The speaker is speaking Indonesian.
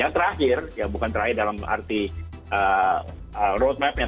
yang terakhir bukan terakhir dalam arti road mapnya